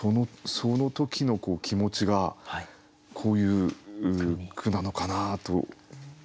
その時の気持ちがこういう句なのかなと思いますよね。